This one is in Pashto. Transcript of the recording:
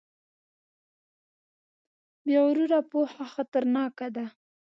بې غروره پوهه خطرناکه ده.